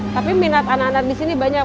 tapi minat anak anak di sini banyak